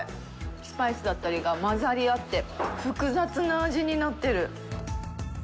スパイスだったりがまざり合って複雑な味になってる。